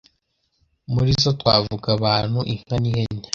muri zo twavuga abantu, inka n’ihene